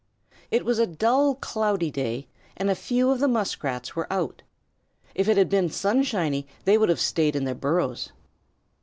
It was a dull, cloudy day and a few of the Muskrats were out. If it had been sunshiny they would have stayed in their burrows.